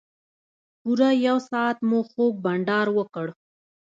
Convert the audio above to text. پوره یو ساعت مو خوږ بنډار وکړ.